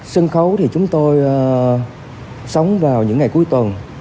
sân khấu thì chúng tôi sống vào những ngày cuối tuần